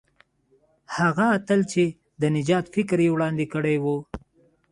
هغه اتل چې د نجات فکر یې وړاندې کړی وو.